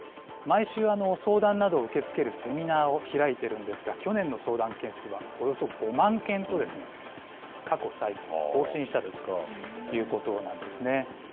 毎週、相談などを受け付けるセミナーを開いてるんですが、去年の相談件数はおよそ５万件と、過去最多を更新したということなんですね。